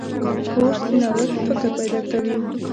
کورس د نوښت فکر پیدا کوي.